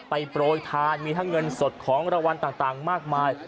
โปรยทานมีทั้งเงินสดของรางวัลต่างมากมาย